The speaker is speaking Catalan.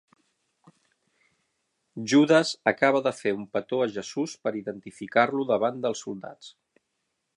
Judes acaba de fer un petó a Jesús per identificar-lo davant dels soldats.